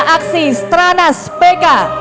aksi stranas bk